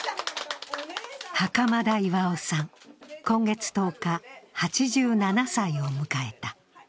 袴田巌さん、今月１０日、８７歳を迎えた。